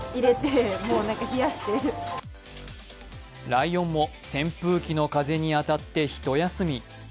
ライオンも、扇風機の風に当たって一休み。